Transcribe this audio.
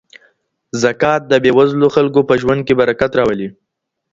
زکات د بې وزلو خلګو په ژوند کي برکت راولي.